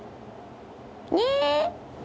ねえ。